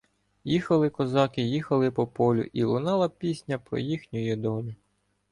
Їхали козаки, їхали по полю І лунала пісня про їхнюю долю.